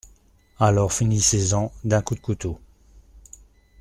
Alors finissez-en d'un coup de couteau.